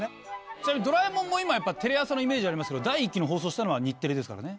ちなみに『ドラえもん』も今テレ朝のイメージありますけど第１期の放送したのは日テレですからね。